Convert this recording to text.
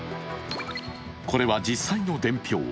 これは実際の伝票。